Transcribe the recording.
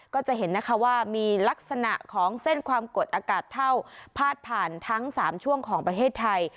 ก็จะเห็นนะคะว่ามีลักษณะของเส้นความกดอากาศเท่าพาดผ่านทั้ง๓ช่วงของประเทศไทย